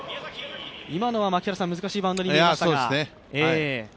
今のは難しいバウンドになりましたが？